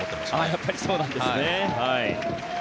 やっぱりそうなんですね。